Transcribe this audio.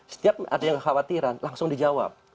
setiap ada yang kekhawatiran langsung dijawab